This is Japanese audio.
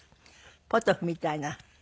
ポトフみたいな。